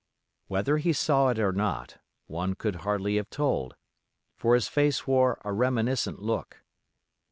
Whether he saw it or not, one could hardly have told, for his face wore a reminiscent look.